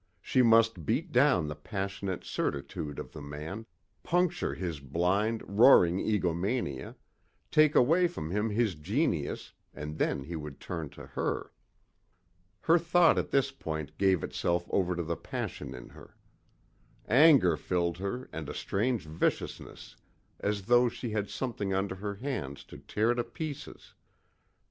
She must beat down the passionate certitude of the man, puncture his blind, roaring egomania, take away from him his genius and then he would turn to her. Her thought at this point gave itself over to the passion in her. Anger filled her and a strange viciousness as though she had something under her hands to tear to pieces.